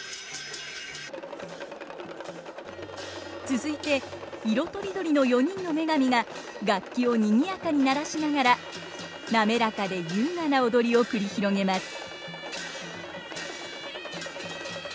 続いて色とりどりの４人の女神が楽器をにぎやかに鳴らしながら滑らかで優雅な踊りを繰り広げます。